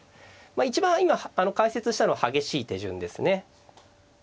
一番今解説したのは激しい手順ですね。